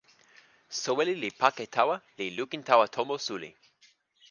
soweli li pake tawa, li lukin tawa tomo suli.